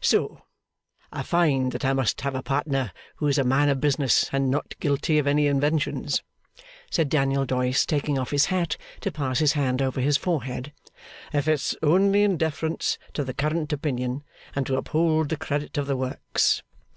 'So I find that I must have a partner who is a man of business and not guilty of any inventions,' said Daniel Doyce, taking off his hat to pass his hand over his forehead, 'if it's only in deference to the current opinion, and to uphold the credit of the Works.